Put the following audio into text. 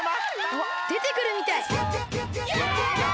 あっでてくるみたい！